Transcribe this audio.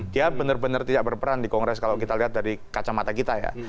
dia benar benar tidak berperan di kongres kalau kita lihat dari kacamata kita ya